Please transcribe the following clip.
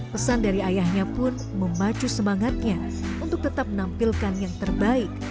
pesan dari ayahnya pun memacu semangatnya untuk tetap menampilkan yang terbaik